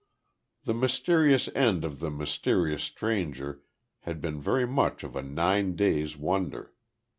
The mysterious end of the mysterious stranger had been very much of a nine days' wonder.